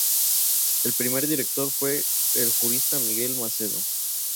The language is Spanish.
El primer director fue el jurista Miguel Macedo.